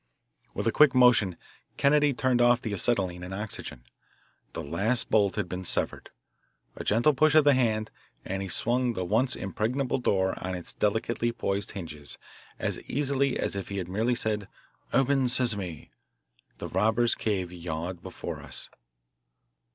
With a quick motion Kennedy turned off the acetylene and oxygen. The last bolt had been severed. A gentle push of the hand, and he swung the once impregnable door on its delicately poised hinges as easily as if he had merely said, "Open Sesame." The robbers' cave yawned before us.